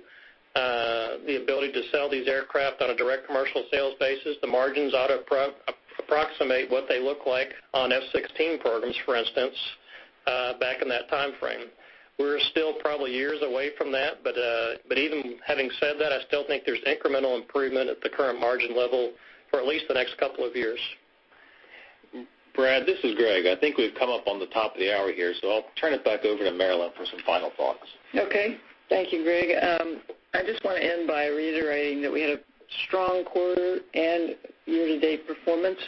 the ability to sell these aircraft on a direct commercial sales basis, the margins ought to approximate what they look like on F-16 programs, for instance, back in that time frame. We're still probably years away from that, but even having said that, I still think there's incremental improvement at the current margin level for at least the next couple of years.
Brad, this is Greg. I think we've come up on the top of the hour here, I'll turn it back over to Marillyn for some final thoughts.
Okay. Thank you, Greg. I just want to end by reiterating that we had a strong quarter and year-to-date performance,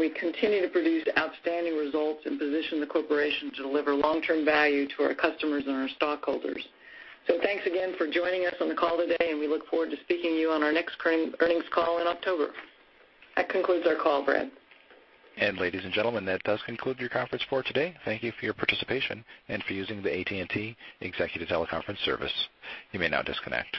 we continue to produce outstanding results and position the corporation to deliver long-term value to our customers and our stockholders. Thanks again for joining us on the call today, we look forward to speaking to you on our next current earnings call in October. That concludes our call, Brad.
Ladies and gentlemen, that does conclude your conference for today. Thank you for your participation and for using the AT&T Executive Teleconference Service. You may now disconnect.